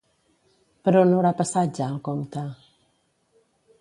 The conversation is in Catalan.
Per on haurà passat ja el comte?